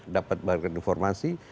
dapat banyak informasi